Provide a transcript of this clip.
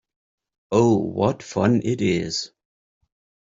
Oh, what fun it is!